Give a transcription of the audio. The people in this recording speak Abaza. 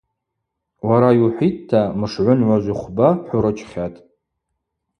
Уара йухӏвитӏта, мшгӏвынгӏважви хвба хӏурычхьатӏ.